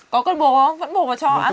có cần bổ không vẫn bổ vào cho an toàn nhá